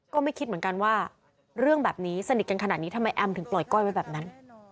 ก็ไม่คิดเหมือนกันว่าเรื่องแบบนี้สนิทกันขนาดนี้ทำไมแอมถึงปล่อยก้อยไว้แบบนั้น